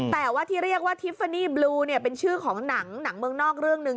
แต่ว่าที่เรียกว่าทิฟฟานีบลูเนี่ยเป็นชื่อของหนังเมืองนอกเรื่องหนึ่ง